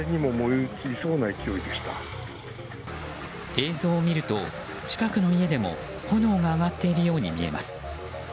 映像を見ると、近くの家でも炎が上がっているように見えます。